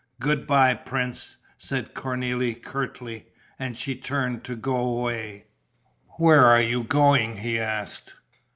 "Good bye, prince," said Cornélie, curtly. And she turned to go away. "Where are you going?" he asked.